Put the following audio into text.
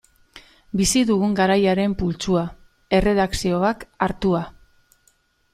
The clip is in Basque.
Bizi dugun garaiaren pultsua, erredakzioak hartua.